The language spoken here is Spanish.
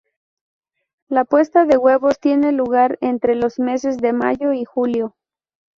La puesta de huevos tiene lugar entre los meses de mayo y julio.